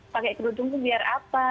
pakai kerudungku biar apa